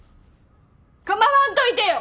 構わんといてよ！